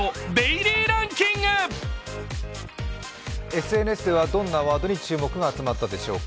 ＳＮＳではどんなワードに注目が集まったでしょうか。